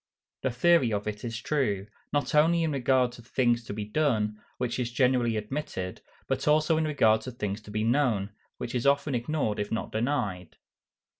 _ The theory of it is true, not only in regard to things to be done, which is generally admitted, but also in regard to things to be known, which is often ignored if not denied.